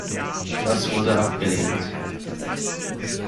Das wurde abgelehnt.